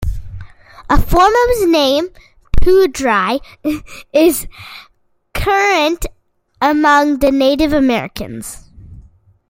A form of his name, "Poodry," is current among the Native Americans.